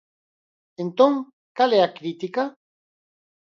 Entón, ¿cal é a crítica?